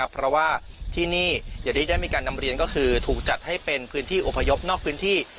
เพราะว่าที่นี่อย่างที่ได้มีการนำเรียนก็คือถูกจัดให้เป็นพื้นที่อพยพนอกพื้นที่